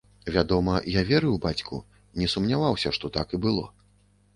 Вядома, я верыў бацьку, не сумняваўся, што так і было.